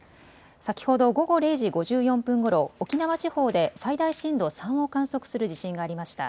先ほど午後０時５４分ごろ沖縄地方で最大震度３を観測する地震がありました。